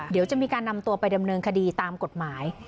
เดี๋ยวจะมีการนำตัวไปดำเนินคดีตามกฎหมาย